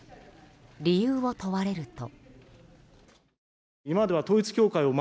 理由を問われると。